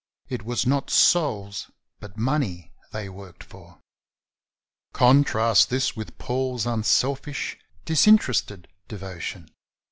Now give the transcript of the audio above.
It was not souls, but money, they worked for. Contrast with this Paul's unselfish, disinterested devotion.